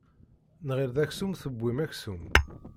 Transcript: Nɣil d aksum tewwim aksum.